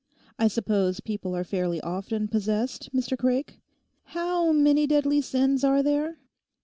I suppose people are fairly often possessed, Mr Craik? How many "deadly sins" are there?